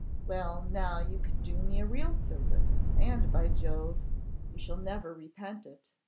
'Well, now you can do me a real service, and, by Jove, you shall never repent it.